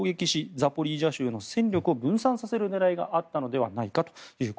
ザポリージャ州の戦力を分散させる狙いがあったのではないかと。